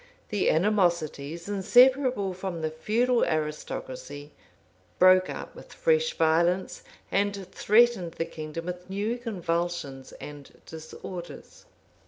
The animosities inseparable from the feudal aristocracy, broke out with fresh violence, and threatened the kingdom with new convulsions and disorders.